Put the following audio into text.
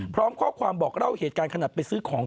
พร้อมข้อความบอกเล่าเหตุการณ์ขนาดไปซื้อของ